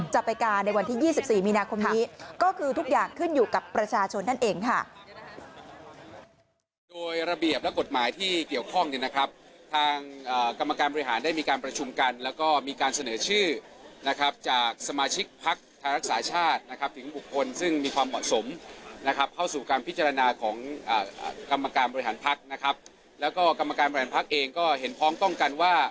จะไปการในวันที่๒๔มีนาคมนี้ก็คือทุกอย่างขึ้นอยู่กับประชาชนนั่นเองค่ะ